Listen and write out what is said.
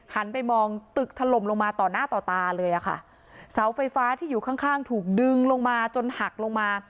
ไปมองตึกถล่มลงมาต่อหน้าต่อตาเลยอะค่ะเสาไฟฟ้าที่อยู่ข้างข้างถูกดึงลงมาจนหักลงมา